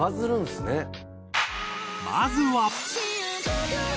まずは。